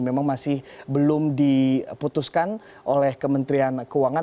memang masih belum diputuskan oleh kementerian keuangan